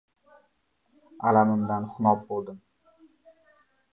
Alamimdan xunob bo‘ldim.